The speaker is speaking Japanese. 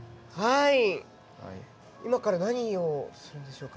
今から何をするんでしょうか？